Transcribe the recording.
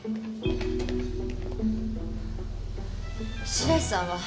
白石さんは？